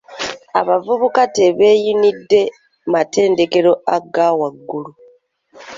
Abavubuka tebeeyunidde matendekero aga waggulu.